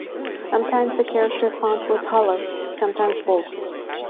Sometimes the character font was hollow, sometimes bold.